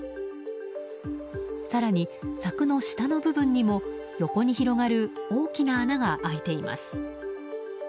更に、柵の下の部分にも横に広がる大きな穴が開いています。